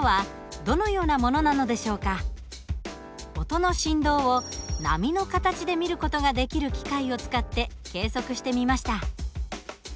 音の振動を波の形で見る事ができる機械を使って計測してみました。